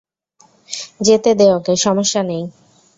যেতে দে ওকে, সমস্যা নেই।